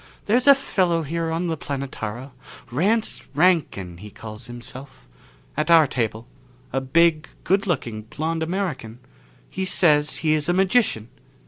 "There's a fellow here on the Planetara, Rance Rankin, he calls himself. At our table a big, good looking blond American. He says he is a magician.